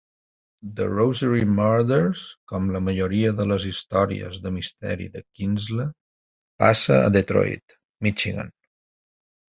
"The Rosary Murders", com la majoria de les històries de misteri de Kienzle, passa a Detroit (Michigan).